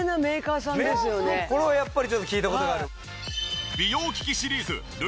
これはやっぱり聞いた事がある。